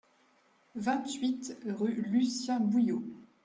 vingt-huit rue Lucien-Bouillot